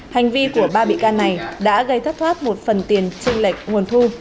hành vi của ba bị can này đã gây thất thoát một phần tiền tranh lệch nguồn thu